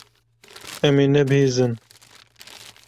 Em ê nebihîzin.